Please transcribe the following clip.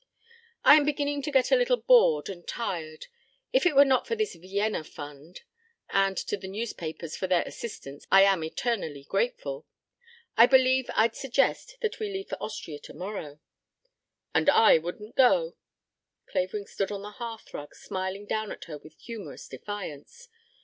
"I am beginning to get a little bored and tired. If it were not for this Vienna Fund and to the newspapers for their assistance I am eternally grateful I believe I'd suggest that we leave for Austria tomorrow." "And I wouldn't go." Clavering stood on the hearthrug smiling down at her with humorous defiance.